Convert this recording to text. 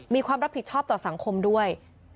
มีความรับผิดชอบต่อสังคมด้วย